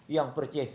yang percaya simpulnya